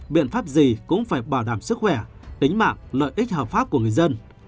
biện pháp gì cũng phải bảo đảm sức khỏe tính mạng lợi ích hợp pháp của người dân